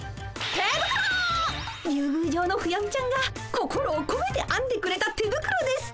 りゅうぐうじょうのフヤミちゃんが心をこめてあんでくれた手ぶくろです。